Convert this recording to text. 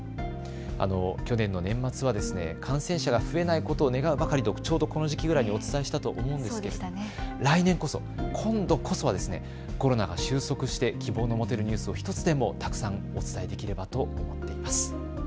去年の年末は感染者が増えないことを願うばかりと、ちょうどこの時期ぐらいにお伝えしたと思うのですが来年こそ、今度こそはコロナが終息して希望の持てるニュースを１つでもたくさんお伝えできればと思っています。